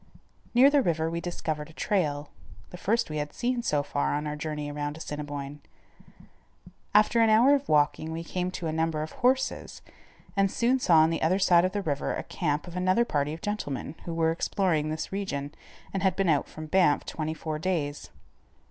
Near the river we discovered a trail, the first we had seen so far on our journey around Assiniboine. After an hour of walking we came to a number of horses, and soon saw on the other side of the river a camp of another party of gentlemen, who were exploring this region, and had been out from Banff twenty four days.